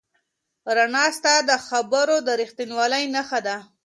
رڼا ستا د خبرو د رښتینولۍ نښه ده.